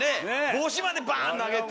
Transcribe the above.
帽子までバーン投げて！